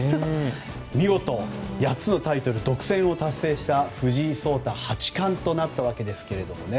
見事、８つのタイトル独占を達成した藤井聡太八冠となったわけですけれどもね。